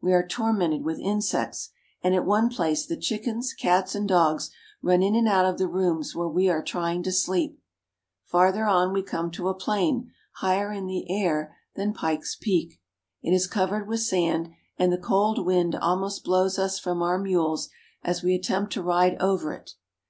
We are tormented with insects, and at one place the chickens, cats, and dogs run in and out of the rooms where we are trying to sleep. Farther on we come to a plain higher up in the air than Pikes Peak. It is covered with sand, and the cold wind almost blows us from our mules as we attempt to ride over it.